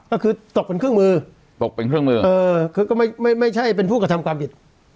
ก็คือตกเป็นเครื่องมือตกเป็นเครื่องมือเออคือก็ไม่ไม่ใช่เป็นผู้กระทำความผิด